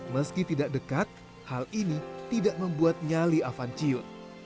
meski tidak dekat hal ini tidak membuat nyali avan ciut